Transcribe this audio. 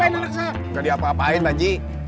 nggak diapa apain pak ji